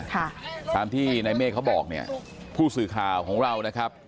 ค่ะตามที่ในเมฆเขาบอกเนี่ยผู้สื่อข่าวของเรานะครับ